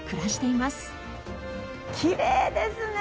きれいですね！